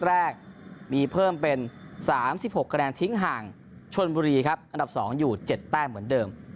แรกมีเพิ่มเป็น๓๖คะแนนทิ้งห่างชนบุรีครับอันดับ๒อยู่๗แต้มเหมือนเดิม